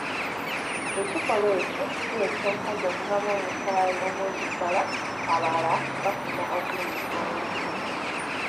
Ekikolwa ekyo kireetera omukazi okuvaamu omusaayi omungi ddala, abalala bafuna okulumizibwa mu ndira,